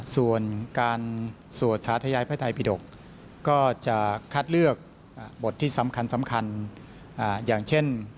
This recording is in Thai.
ส่วนการสวดสาธยายพระไทยพิดกก็จะคัดเลือกบทที่สำคัญอย่างเช่น